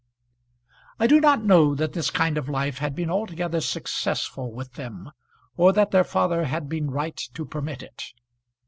I do not know that this kind of life had been altogether successful with them, or that their father had been right to permit it.